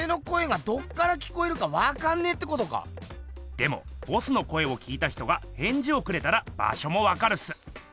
でもボスの声を聞いた人がへんじをくれたら場しょもわかるっす。